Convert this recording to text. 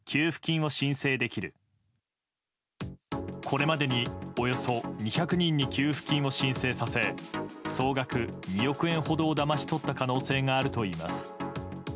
これまでにおよそ２００人に給付金を申請させ総額２億円ほどをだまし取った可能性があるといいます。